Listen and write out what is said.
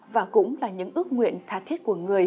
và cũng là những ước nguyện thật